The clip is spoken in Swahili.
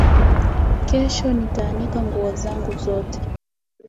Kesho nitaanika nguo zangu zote